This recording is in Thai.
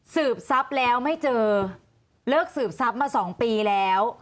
สืบทรัพย์แล้วไม่เจอเลิกสืบทรัพย์มา๒ปีแล้ว